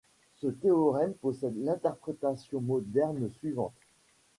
Ce théorème possède l'interprétation moderne suivante.